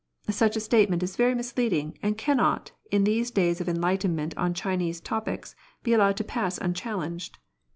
" Such a statement is very misleading, and cannot, in these days of enlightenment on Chinese topics, be allowed to pass unchallenged.